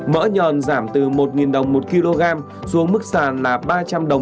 mỡ nhòn giảm từ một đồng một kg xuống mức sàn là ba trăm linh đồng